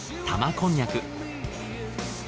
こんにゃく。